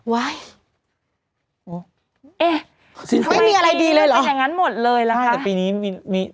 ว้ายเอ๊ะไม่มีอะไรดีเลยเหรอสิ่งที่นี้มันจะอย่างนั้นหมดเลยเหรอคะ